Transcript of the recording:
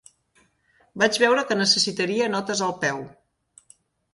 Vaig veure que necessitaria notes al peu.